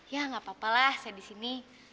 ya gak apa apalah saya di sini